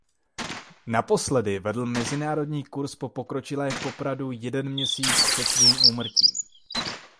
Naposledy vedl mezinárodní kurz pro pokročilé v Popradu jeden měsíc před svým úmrtím.